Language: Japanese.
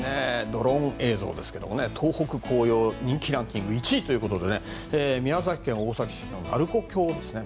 ドローン映像ですけども東北の紅葉人気ランキング１位ということで宮崎県大崎市の鳴子峡ですね。